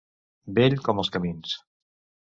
Vell com els camins.